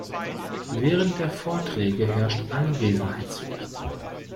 Während der Vorträge herrscht Anwesenheitspflicht.